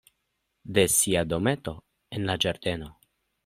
De sia dometo en la ĝardeno.